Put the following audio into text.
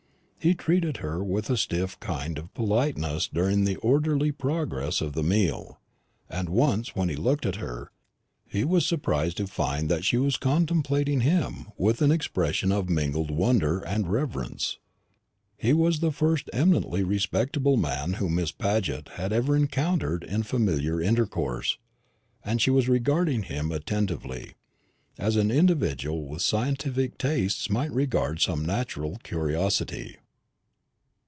He treated her with a stiff kind of politeness during the orderly progress of the meal; and once, when he looked at her, he was surprised to find that she was contemplating him with an expression of mingled wonder and reverence. He was the first eminently respectable man whom Miss Paget had ever encountered in familiar intercourse, and she was regarding him attentively, as an individual with scientific tastes might regard some natural curiosity.